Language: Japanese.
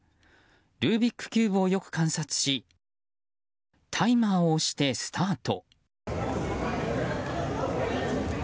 ルービックキューブをよく観察しタイマーを押してスタート。